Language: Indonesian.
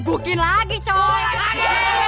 gebukin lagi coy